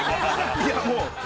◆いや、もう。